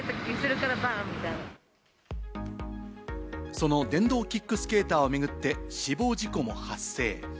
その電動キックスケーターをめぐって死亡事故も発生。